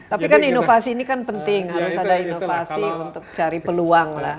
tapi kan inovasi ini kan penting harus ada inovasi untuk cari peluang lah